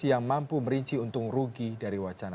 yang mampu merinci untung rugi dari wacana